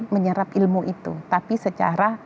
menyerap ilmu itu tapi secara